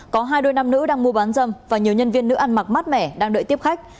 có hai đôi nam nữ đang mua bán dâm và nhiều nhân viên nữ ăn mặc mát mẻ đang đợi tiếp khách